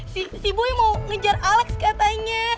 si boi mau ngejar alex katanya